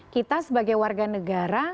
kita sebagai warga negara